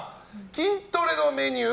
筋トレのメニュー